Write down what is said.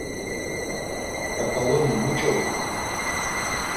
Ǩaǩaloni muç̌o ikuman?